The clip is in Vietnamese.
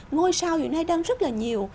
ngôi sao hiện nay đang rất là nhiều